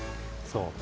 そう！